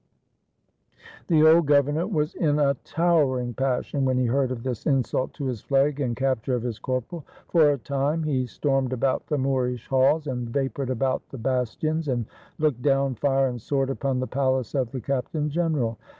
The old governor was in a towering passion when he heard of this insult to his flag and capture of his cor poral. For a time he stormed about the Moorish halls, and vapored about the bastions, and looked down fire and sword upon the palace of the captain general.